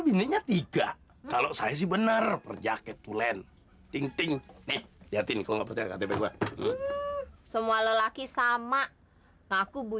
bininya tiga kalau saya sih bener perjaket tulen ting ting nih lihat ini semua lelaki sama aku bu